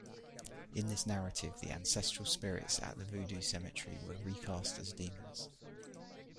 In this narrative, the ancestral spirits at the Vodou cemetery were re-cast as demons.